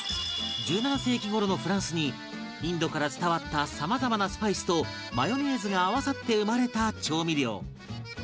１７世紀頃のフランスにインドから伝わったさまざまなスパイスとマヨネーズが合わさって生まれた調味料